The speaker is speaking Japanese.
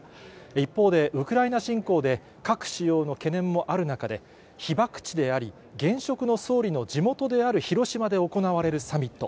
一方で、ウクライナ侵攻で核使用の懸念もある中で、被爆地であり、現職の総理の地元である広島で行われるサミット。